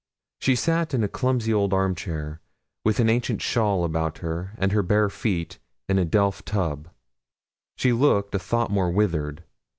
She sat in a clumsy old arm chair, with an ancient shawl about her, and her bare feet in a delft tub. She looked a thought more withered.